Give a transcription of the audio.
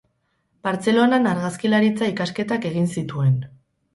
Bartzelonan argazkilaritza ikasketak egin zituen.